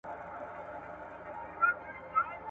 • په يوه لاس کي دوې هندوانې نه نيول کېږي.